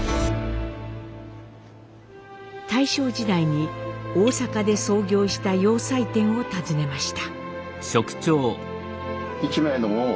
大正時代に大阪で創業した洋裁店を訪ねました。